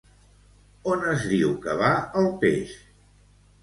On es diu que va el peix?